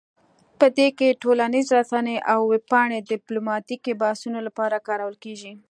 په دې کې ټولنیز رسنۍ او ویب پاڼې د ډیپلوماتیکو بحثونو لپاره کارول کیږي